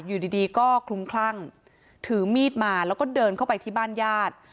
อยู่ดีก็คลุมคลั่งถือมีดมาแล้วก็เดินเข้าไปที่บ้านญาติ